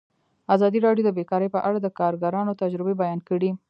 ازادي راډیو د بیکاري په اړه د کارګرانو تجربې بیان کړي.